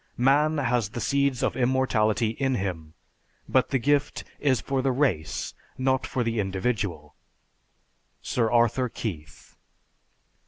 Man has the seeds of immortality in him, but the gift is for the race, not for the individual._ SIR ARTHUR KEITH.